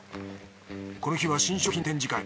この日は新商品展示会。